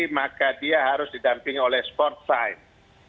maka dia harus didampingi oleh sport science